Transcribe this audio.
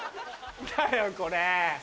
何だよこれ！